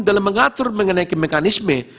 dalam mengatur mengenai mekanisme